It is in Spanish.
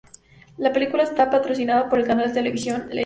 La película está patrocinada por el canal de televisión Yle.